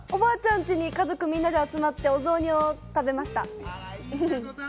家に家族みんなで集まって、お雑煮を食べました。